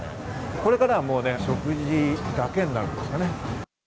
これからは食事だけになるんですかね。